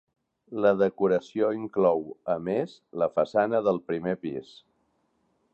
La decoració inclou, a més, la façana del primer pis.